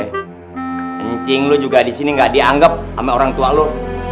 kecil kamu juga di sini tidak dianggap oleh orang tua kamu